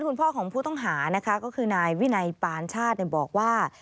คุณพ่อของผู้ต้องหานะคะก็คือนายวินัยปานชาติบอกว่า